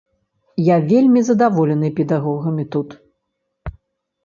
Я вельмі задаволены педагогамі тут.